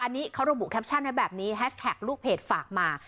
อันนี้เขาระบุแคปชั่นไว้แบบนี้แฮชแท็กลูกเพจฝากมา